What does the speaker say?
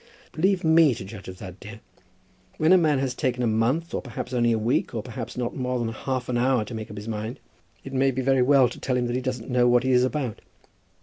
"Leave me to judge of that, dear. When a man has taken a month, or perhaps only a week, or perhaps not more than half an hour, to make up his mind, it may be very well to tell him that he doesn't know what he is about.